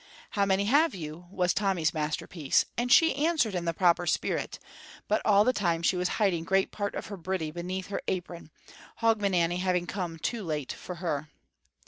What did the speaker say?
"How many have you?" was Tommy's masterpiece, and she answered in the proper spirit, but all the time she was hiding great part of her bridie beneath her apron, Hogmanay having come too late for her.